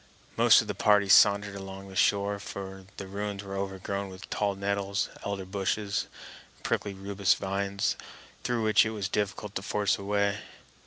Most of the party sauntered along the shore; for the ruins were overgrown with tall nettles, elder bushes, and prickly rubus vines through which it was difficult to force a way.